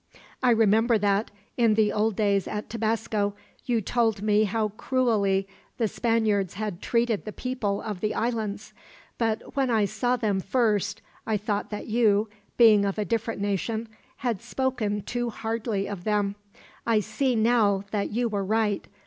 "I remember that, in the old days at Tabasco, you told me how cruelly the Spaniards had treated the people of the islands; but when I saw them first, I thought that you, being of a different nation, had spoken too hardly of them. I see, now, that you were right.